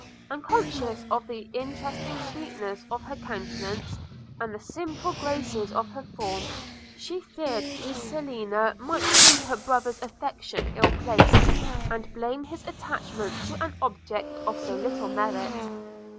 Unconscious of the interesting sweetness of her countenance, and the simple graces of her form, she feared lest Selina might think her brother's affection ill placed, and blame his attachment to an object of so little merit.